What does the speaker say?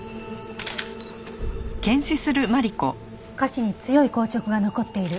下肢に強い硬直が残っている。